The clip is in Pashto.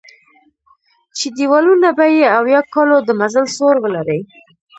چې دېوالونه به یې اویا کالو د مزل سور ولري.